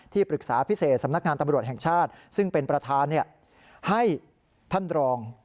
ปรึกษาพิเศษสำนักงานตำรวจแห่งชาติซึ่งเป็นประธานให้ท่านรอง